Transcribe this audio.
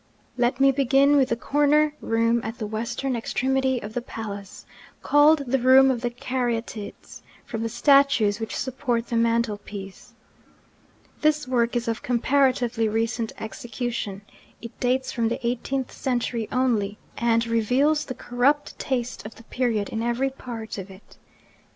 Let me begin with the corner room at the western extremity of the palace, called the Room of the Caryatides, from the statues which support the mantel piece. This work is of comparatively recent execution: it dates from the eighteenth century only, and reveals the corrupt taste of the period in every part of it.